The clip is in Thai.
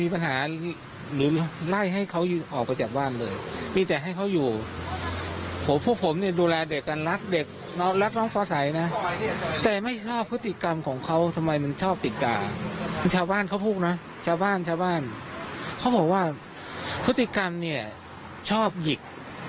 พฤติกรรมเนี่ยชอบหยิก